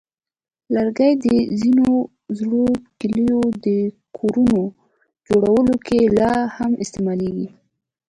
لرګي د ځینو زړو کلیو د کورونو جوړولو کې لا هم استعمالېږي.